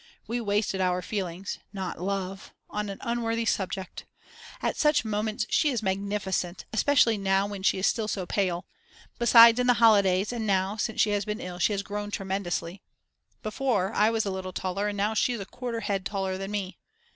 We wasted our feelings (not love!!) on an unworthy object. At such moments she is magnificent, especially now when she is still so pale. Besides in the holidays and now since she has been ill she has grown tremendously. Before I was a little taller and now she is a quarter head taller than me.